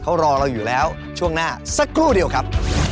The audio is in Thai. เขารอเราอยู่แล้วช่วงหน้าสักครู่เดียวครับ